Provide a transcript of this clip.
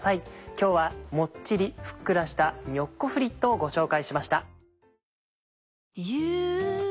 今日はモッチリふっくらした「ニョッコフリット」をご紹介しました。